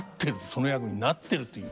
その役になってるという。